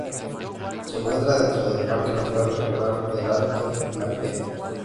Se encuentra dentro del Parque natural regional del Alto Languedoc.